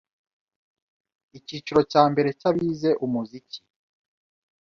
Icyiciro cya mbere cy’abize umuziki